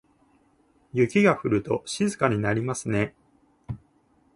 雪が降ると静かになりますね。